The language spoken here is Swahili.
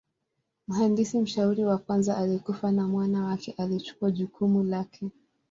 Mhandisi mshauri wa kwanza alikufa na mwana wake alichukua jukumu lake.